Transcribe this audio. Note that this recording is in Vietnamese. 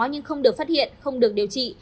nhưng không được phát hiện không được điều trị